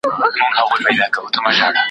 All || ټول نکلونه